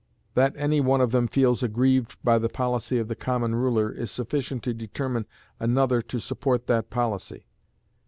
That any one of them feels aggrieved by the policy of the common ruler is sufficient to determine another to support that policy.